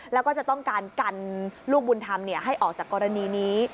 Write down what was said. แล้วก็จะต้องการกันลูกบุญธรรมให้ออกจากกรณีนี้